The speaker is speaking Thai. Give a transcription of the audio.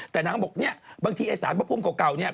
แต่นางก็บอกเนี่ยบางทีไอ้สารพระภูมิเก่าเนี่ย